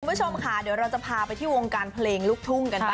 คุณผู้ชมค่ะเดี๋ยวเราจะพาไปที่วงการเพลงลูกทุ่งกันบ้าง